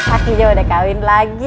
akhirnya udah kawin lagi